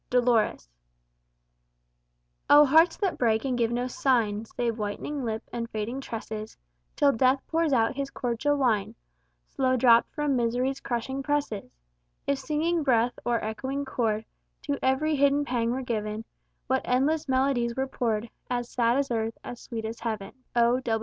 X. Dolores "Oh, hearts that break and give no sign, Save whitening lip and fading tresses; Till death pours out his cordial wine, Slow dropped from misery's crushing presses If singing breath or echoing chord To every hidden pang were given, What endless melodies were poured, As sad as earth, as sweet as heaven." O.